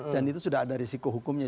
dan itu sudah ada risiko hukumnya